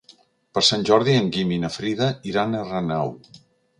Per Sant Jordi en Guim i na Frida iran a Renau.